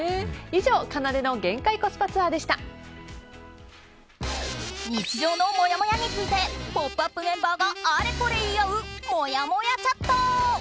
以上日常のもやもやについて「ポップＵＰ！」メンバーがあれこれ言い合うもやもやチャット。